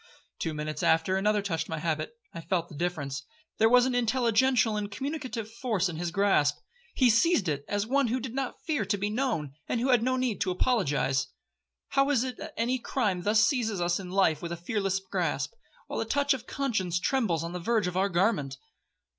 Two minutes after another touched my habit. I felt the difference,—there was an intelligential and communicative force in his grasp. He seized it as one who did not fear to be known, and who had no need to apologise. How is it that crime thus seizes us in life with a fearless grasp, while the touch of conscience trembles on the verge of our garment.